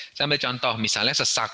saya ambil contoh misalnya sesak